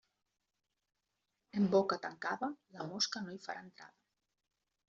En boca tancada, la mosca no hi farà entrada.